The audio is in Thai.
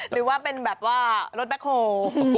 หรือว่าเป็นแบบว่ารสแม่โขล